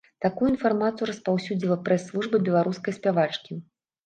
Такую інфармацыю распаўсюдзіла прэс-служба беларускай спявачкі.